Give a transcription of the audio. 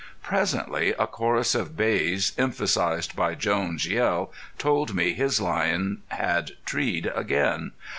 Presently a chorus of bays, emphasized by Jones' yell, told me his lion had treed again.